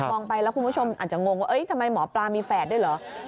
ไปแล้วคุณผู้ชมอาจจะงงว่าทำไมหมอปลามีแฝดด้วยเหรอ